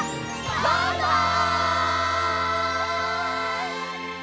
バイバイ！